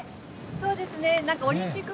そうですね。